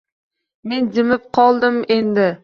Men jimib qoldim endi.